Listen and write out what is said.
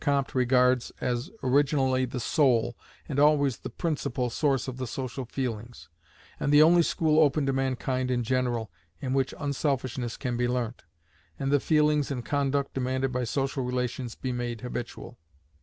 Comte regards as originally the sole, and always the principal, source of the social feelings, and the only school open to mankind in general, in which unselfishness can be learnt, and the feelings and conduct demanded by social relations be made habitual.